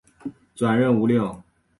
转任吴令。